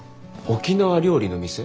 沖縄料理の店？